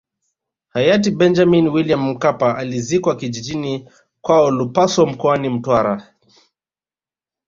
Hayati Benjamini Wiliam Mkapa alizikwa kijijini kwao Lupaso mkoani Mtwara